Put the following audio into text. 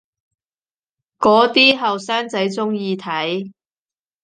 嗰啲後生仔鍾意睇